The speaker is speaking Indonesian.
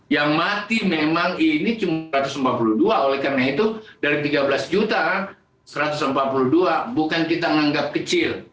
yang mati memang ini cuma satu ratus empat puluh dua oleh karena itu dari tiga belas satu ratus empat puluh dua bukan kita menganggap kecil